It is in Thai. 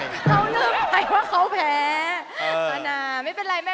เค้านึกไงว่าเค้าแพ้